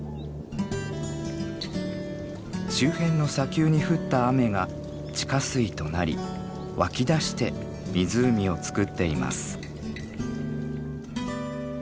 周辺の砂丘に降った雨が地下水となり湧き出して湖をつくっています。